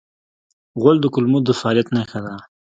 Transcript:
غول د کولمو د فعالیت نښه ده.